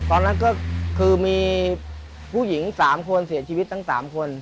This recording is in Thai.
ตอนนั้นก็คือมีผู้หญิง๓คนเสียชีวิตทั้ง๓คน